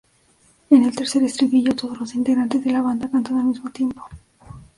En el tercer estribillo todos los integrantes de la banda cantan al mismo tiempo.